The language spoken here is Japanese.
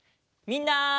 みんな！